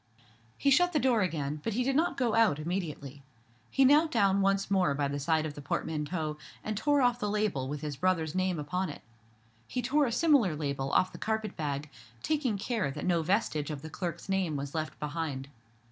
He shut the door again, but he did not go out immediately. He knelt down once more by the side of the portmanteau, and tore off the label with his brother's name upon it. He tore a similar label off the carpet bag, taking care that no vestige of the clerk's name was left behind.